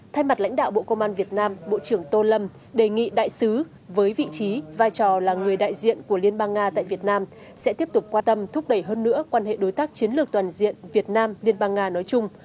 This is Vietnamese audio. thay mặt lãnh đạo bộ công an việt nam bộ trưởng tô lâm đề nghị đại sứ với vị trí vai trò là người đại diện của liên bang nga tại việt nam sẽ tiếp tục quan tâm thúc đẩy hơn nữa quan hệ đối tác chiến lược toàn diện việt nam liên bang nga nói chung